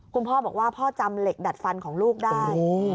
คุณพ่อบอกว่าพ่อจำเหล็กดัดฟันของลูกได้